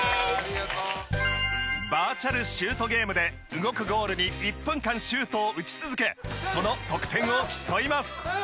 バーチャル・シュートゲームで動くゴールに１分間シュートを打ち続けその得点を競います。